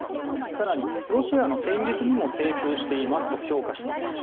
更にロシアの戦術にも精通していますと評価しています。